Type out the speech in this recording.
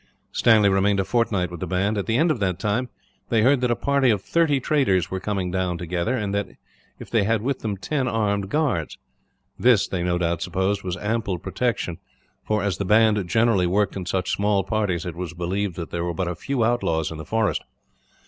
Stanley remained a fortnight with the band. At the end of that time, they heard that a party of thirty traders were coming down together, and that they had with them ten armed guards. This, they no doubt supposed, was ample protection for, as the band generally worked in such small parties, it was believed that there were but a few outlaws in the forest.